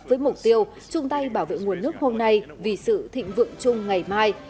với mục tiêu chung tay bảo vệ nguồn nước hôm nay vì sự thịnh vượng chung ngày mai